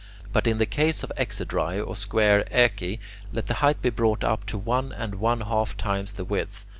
But in the case of exedrae or square oeci, let the height be brought up to one and one half times the width.